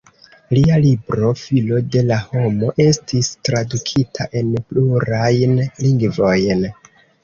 Lia libro "Filo de la homo" estis tradukita en plurajn lingvojn.